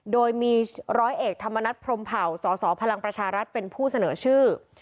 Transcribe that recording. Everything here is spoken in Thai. โดยมีร้อยเอกธรรมนัฐพรมเผ่าสสพลังประชารัฐเป็นผู้เสนอชื่อ